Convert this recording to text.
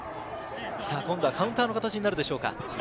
今度はカウンターの形になるでしょうか。